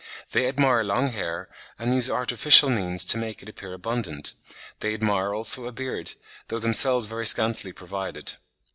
They admire long hair, and use artificial means to make it appear abundant; they admire also a beard, though themselves very scantily provided.